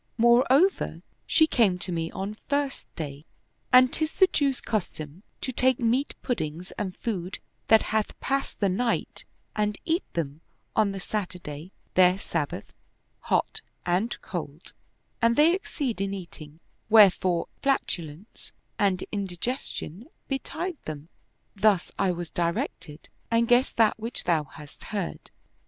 More over, she came to me on First Day; and 'tis the Jew's cus tom to take meat puddings and food that hath passed the night and eat them on the Saturday their Sabbath, hot and cold, and they exceed in eating; wherefore flatulence and indigestion betide them. Thus I was directed and guessed that which thou hast heard."